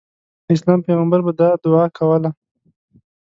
د اسلام پیغمبر به دا دعا کوله.